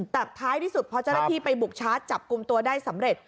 แต่ท้ายที่สุดพอเจ้าหน้าที่ไปบุกชาร์จจับกลุ่มตัวได้สำเร็จ